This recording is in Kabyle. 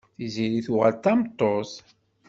Tiziri tuɣal d tameṭṭut.